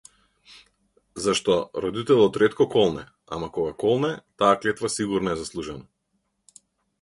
Зашто, родителот ретко колне, ама кога колне, таа клетва сигурно е заслужена.